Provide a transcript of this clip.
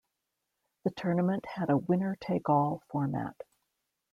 The tournament had a winner-take-all format.